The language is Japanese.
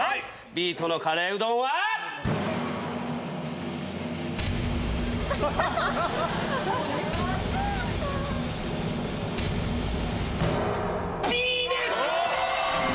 美糸のカレーうどんは⁉Ｂです！